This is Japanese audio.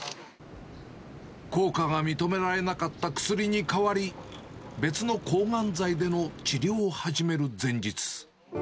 効果が認められなかった薬に代わり、別の抗がん剤での治療を始める前日。